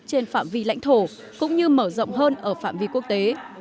trên phạm vi lãnh thổ cũng như mở rộng hơn ở phạm vi quốc tế